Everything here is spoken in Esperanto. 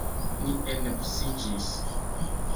Ni enbusiĝis.